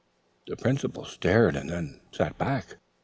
The Principal started and then sat back.